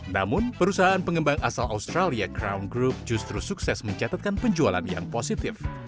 namun perusahaan pengembang asal australia crown group justru sukses mencatatkan penjualan yang positif